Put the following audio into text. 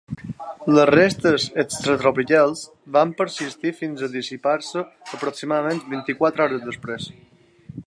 Les restes extratropicals van persistir fins a dissipar-se aproximadament vint-i-quatre hores després.